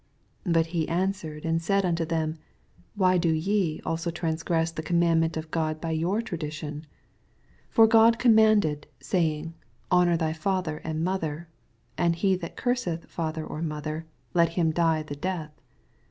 3 But he answered and said unto them, Why do ye also transgress the commauimont of God by your tradi tion f 4 For God commanded, sayxiij^ Honor thy &ther and mother: and. He that curseth father or mother, lei him die the death.